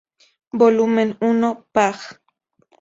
Volumen I. pág.